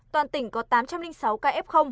toàn tỉnh có tám trăm linh sáu ca f